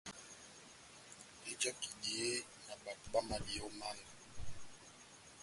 Ejaka ehidiye na bato bámadiyɛ ó manga,